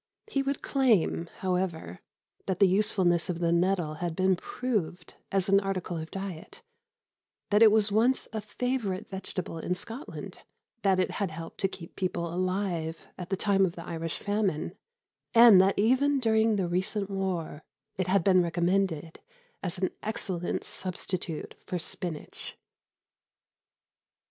He would claim, however, that the usefulness of the nettle had been proved as an article of diet, that it was once a favourite vegetable in Scotland, that it had helped to keep people alive at the time of the Irish famine, and that even during the recent war it had been recommended as an excellent substitute for spinach.